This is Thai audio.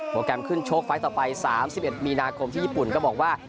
แกรมขึ้นชกไฟล์ต่อไป๓๑มีนาคมที่ญี่ปุ่นก็บอกว่า